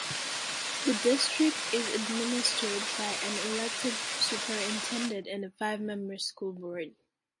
The district is administered by an elected superintendent and a five-member school board.